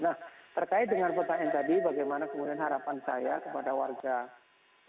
nah terkait dengan kota n tadi bagaimana kemudian harapan saya kepada warga jakarta